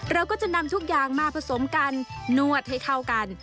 เราก็จะนำทุกอย่างมาผสมกันนวดให้เข้ากัน